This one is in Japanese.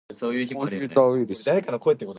コンピューターウイルス